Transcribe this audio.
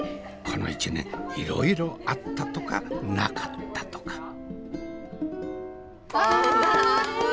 この１年いろいろあったとかなかったとか。